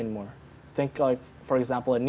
tidak terlalu relevan lagi